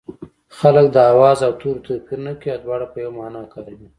خلک د آواز او توري توپیر نه کوي او دواړه په یوه مانا کاروي